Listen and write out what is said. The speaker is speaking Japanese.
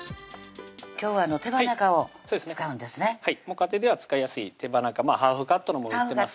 家庭では使いやすい手羽中ハーフカットのもの売ってます